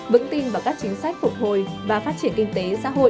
vững tin vào các chính sách phục hồi và phát triển kinh tế